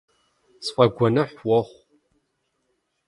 СфӀэгуэныхь уохъу.